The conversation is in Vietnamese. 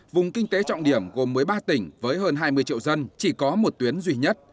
vùng kinh tế trọng điểm gồm mới ba tỉnh với hơn hai mươi triệu dân chỉ có một tuyến duy nhất